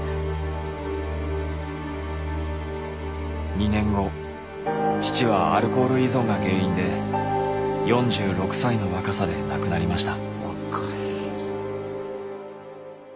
２年後父はアルコール依存が原因で４６歳の若さで亡くなりました。